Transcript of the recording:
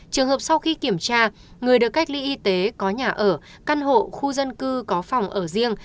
trường hợp sau khi kiểm tra người được cách ly y tế có nhà ở căn hộ khu dân cư có phòng ở riêng